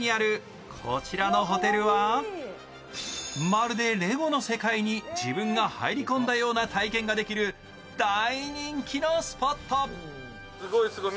まるでレゴの世界に自分が入り込んだような体験ができる大人気のスポット。